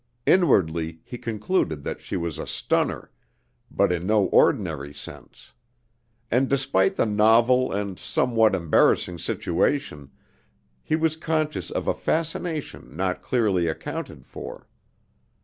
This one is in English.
Inwardly he concluded that she was a "stunner," but in no ordinary sense; and despite the novel and somewhat embarrassing situation, he was conscious of a fascination not clearly accounted for.